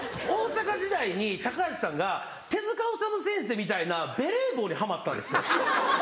大阪時代に高橋さんが手治虫先生みたいなベレー帽にハマったんですよ。